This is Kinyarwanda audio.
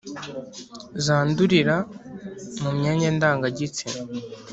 zanduririra mu myanya ndangagitsina.